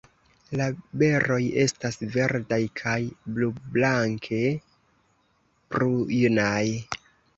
La beroj estas verdaj kaj blublanke prujnaj.